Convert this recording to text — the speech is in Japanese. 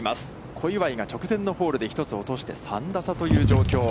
小祝は直前のホールで１つ落として、３打差という状況。